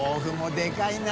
でかいな。